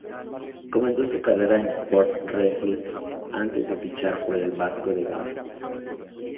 Comenzó su carrera en Sport Recife, antes de fichar por el Vasco da Gama.